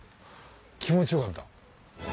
気持ちよかった。